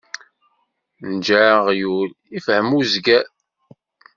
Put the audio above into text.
Nǧeɛ aɣyul, ifhem uzger.